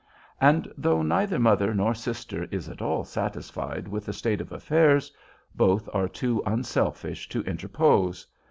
And though neither mother nor sister is at all satisfied with the state of affairs, both are too unselfish to interpose.